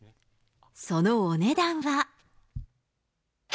そのお値段は。